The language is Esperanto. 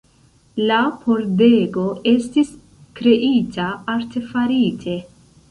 La pordego estis kreita artefarite.